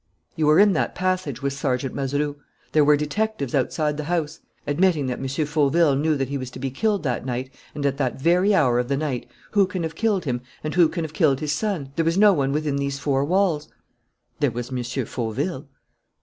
"You were in that passage with Sergeant Mazeroux. There were detectives outside the house. Admitting that M. Fauville knew that he was to be killed that night and at that very hour of the night, who can have killed him and who can have killed his son? There was no one within these four walls." "There was M. Fauville."